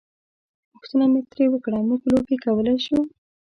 پوښتنه مې ترې وکړه: موږ لوبې کولای شو؟